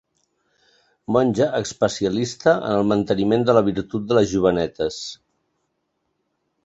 Monja especialista en el manteniment de la virtut de les jovenetes.